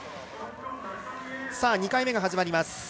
さあ、２回目が始まります。